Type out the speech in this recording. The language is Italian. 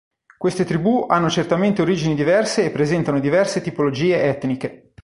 Queste tribù hanno certamente origini diverse e presentano diverse tipologie etniche.